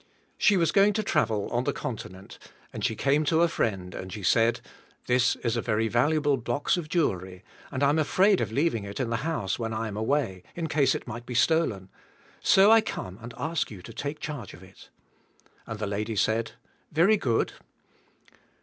She was going to travel on the continent and she came to a friend and she said, *'This is a very valu able box of jewelry and I am afraid of leaving it in the house when I am away, in case it might be stolen; so I come and ask you to take charge of it." And the lady said, Very good."